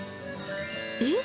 えっ？